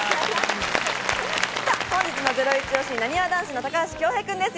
本日のゼロイチ推し、なにわ男子の高橋恭平君です。